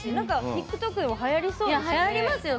ＴｉｋＴｏｋでもはやりそうですね。